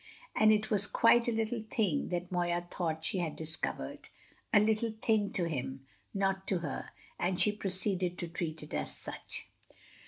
And it was quite a little thing that Moya thought she had discovered; a little thing to him, not to her; and she proceeded to treat it as such.